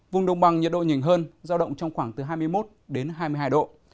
vùng đồng bằng nhiệt độ nhìn hơn giao động trong khoảng từ hai mươi một đến hai mươi hai độ